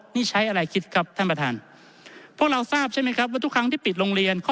นี่ใช้อะไรคิดครับท่านประธานพวกเราทราบใช่ไหมครับว่าทุกครั้งที่ปิดโรงเรียน